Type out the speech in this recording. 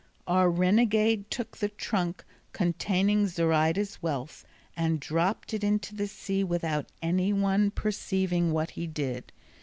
Our renegade took the trunk containing Zoraida's wealth and dropped it into the sea without anyone perceiving what he did.